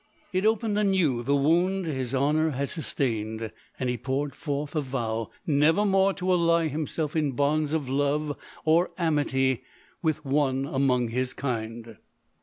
It opened anew the wound his honour had sus tained ; and he poured forth a vow never more to ally himself in bonds of love or amity with one among his kind.